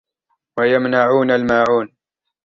ويمنعون الماعون